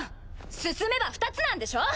進めば２つなんでしょ？